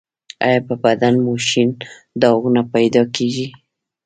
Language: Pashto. ایا په بدن مو شین داغونه پیدا کیږي؟